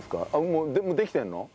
もうできてるの？